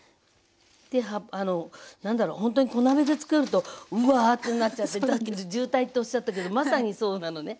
で何だろうほんとに小鍋でつくるとうわってなっちゃってさっき渋滞っておっしゃったけどまさにそうなのね。